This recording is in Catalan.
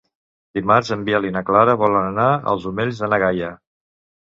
Dimarts en Biel i na Clara volen anar als Omells de na Gaia.